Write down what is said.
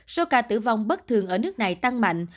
số ca tử vong bất thường ở nước này tăng mạnh